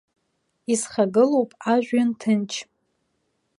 Исхагылоуп ажәҩан ҭынч.